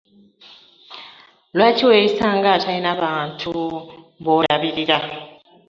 Lwaki weyisa ng'atalina bantu bw'olabirira?